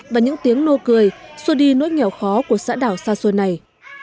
và những tiếng nô cười xua đi nỗi nghèo khó của xã đảo xa xôi này